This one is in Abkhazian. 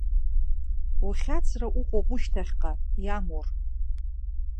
Ухьаҵра уҟоуп ушьҭахьҟа, иамур!